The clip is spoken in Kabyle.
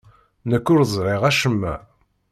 Nekk ur ẓriɣ acemma.